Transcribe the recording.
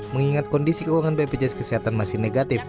mengingat kondisi keuangan bpjs kesehatan masih negatif